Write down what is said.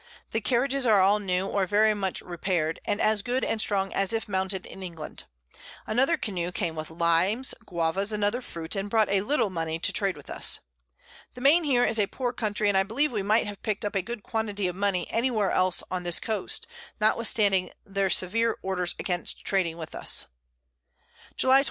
The Carriages are all new, or very much repair'd, and as good and strong as if mounted in England. Another Canoe came with Limes, Guavas, and other Fruit, and brought a little Money to trade with us. The Main here is a poor Country, and I believe we might have pick'd up a good Quantity of Money any where else on this Coast, notwithstanding their severe Orders against trading with us. _July 22.